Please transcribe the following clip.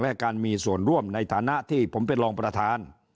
และการมีส่วนร่วมในฐานะที่ผมเป็นรองประธาน